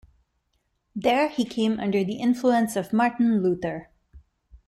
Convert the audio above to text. There he came under the influence of Martin Luther.